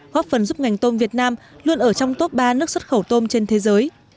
góp phần giúp ngành tôm việt nam luôn ở trong top ba nước xuất khẩu tôm trên thế giới